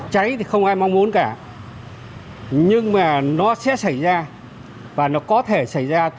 cháy thì không ai mong muốn cả nhưng mà nó sẽ xảy ra và nó có thể xảy ra